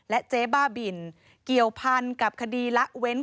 และเจบ่าบินเกี่ยวพันธ์กับคดีละเว้น